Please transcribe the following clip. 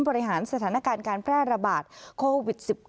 บริหารสถานการณ์การแพร่ระบาดโควิด๑๙